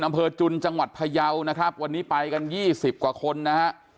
อำเภอจุนจังหวัดพยาวนะครับวันนี้ไปกันยี่สิบกว่าคนนะฮะ